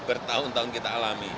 bertahun tahun kita alami